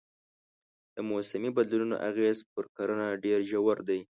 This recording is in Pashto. د موسمي بدلونونو اغېز پر کرنه ډېر ژور دی.